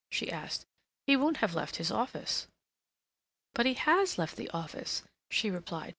she asked. "He won't have left his office." "But he has left the office," she replied.